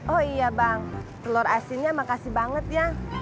oh iya bang telur asinnya makasih banget ya